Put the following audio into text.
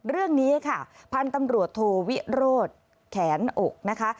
เรื่องนี้ค่ะพันธุ์ตำรวจโทวิโรธแขนอกนะคะ